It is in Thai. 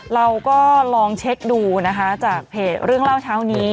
เราก็ลองเช็คดูนะคะจากเพจเรื่องเล่าเช้านี้